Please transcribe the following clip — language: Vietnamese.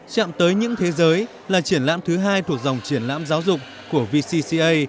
chạm tới những thế giới là triển lãm thứ hai thuộc dòng triển lãm giáo dục của vcca